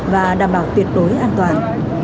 và tuyệt đối an toàn